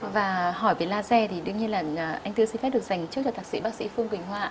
và hỏi về laser thì đương nhiên là anh tư xin phép được dành trước cho tạc sĩ bác sĩ phương quỳnh hoa